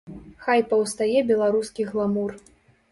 Хай паўстае беларускі гламур.